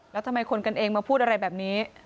แล้วทำไมคนกันเองมาพูดอะไรแบบนี้